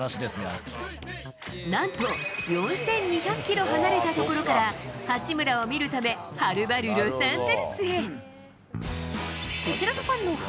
なんと、４２００キロ離れた所から八村を見るため、はるばるロサンゼルスへ。